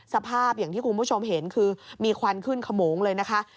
สภาพอย่างที่คุณผู้ชมเห็นคือมีควันขึ้นขโมงเลยนะคะ